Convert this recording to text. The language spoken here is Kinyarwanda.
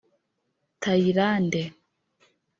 Tayilande